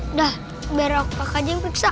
udah biar rafa kajeng piksak